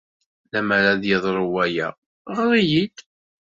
Lemmer ad yeḍru waya, ɣer-iyi-d.